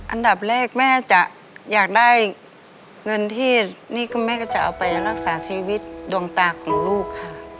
อันดับแรกแม่จะอยากได้เงินที่นี่ก็แม่ก็จะเอาไปรักษาชีวิตดวงตาของลูกค่ะ